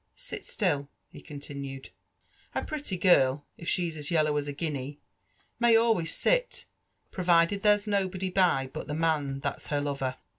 '' Sit still," he continued :'' a pretty girl, if she's as yellow as a guinea, may always sit, provided there's nobody by but the man that's her lover."